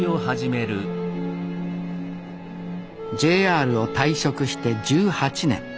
ＪＲを退職して１８年。